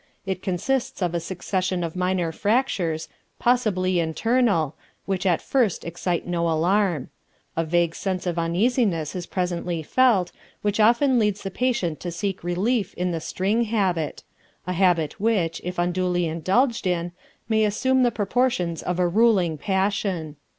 It consists of a succession of minor fractures, possibly internal, which at first excite no alarm. A vague sense of uneasiness is presently felt, which often leads the patient to seek relief in the string habit a habit which, if unduly indulged in, may assume the proportions of a ruling passion.